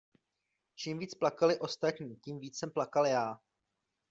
Čím víc plakali ostatní, tím víc jsem plakal já!